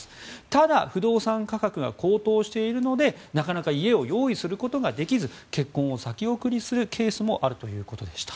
ただ、不動産価格が高騰しているのでなかなか家を用意することができず結婚を先送りするケースもあるということでした。